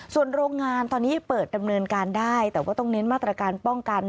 ส่วนโรงงานตอนนี้เปิดดำเนินการได้แต่ว่าต้องเน้นมาตรการป้องกัน